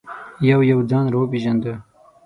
یو یو ځان را پېژانده.